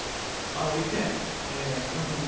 一点、簡潔に。